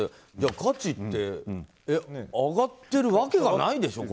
価値が上がってるわけがないでしょ